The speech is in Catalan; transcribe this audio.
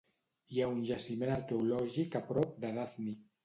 Hi ha un jaciment arqueològic a prop de Dafni.